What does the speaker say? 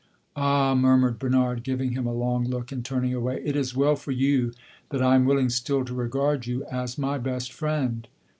"Ah," murmured Bernard, giving him a long look and turning away, "it is well for you that I am willing still to regard you as my best friend!"